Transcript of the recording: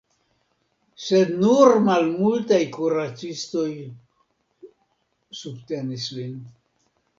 Sed nur malmultaj kuracistoj subtenis lin.